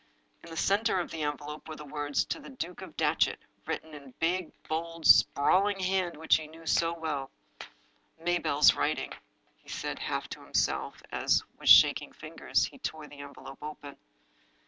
In the center of the envelope were the words, " To the Duke of Datchet," written in the big, bold, sprawling hand which he knew so well. " Mabel's writing," he said, half to himself, as, with shaking fingers, he tore the envelope open.